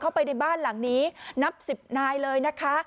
ไปในบ้านหลังนี้นับสิบนายเลยนะคะ